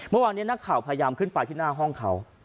เมื่อวานนี้นักข่าวพยายามขึ้นไปที่หน้าห้องเขา